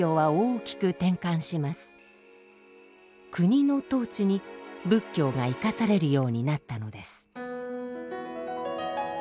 国の統治に仏教が生かされるようになったのです。